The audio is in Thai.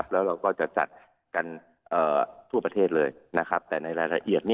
แล้วเราก็จะจัดกันทั่วประเทศเลยนะครับแต่ในรายละเอียด